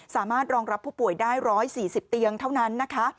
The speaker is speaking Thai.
สามารถรองรับผู้ป่วยได้๑๔๐เตียงเท่านั้นนะคะ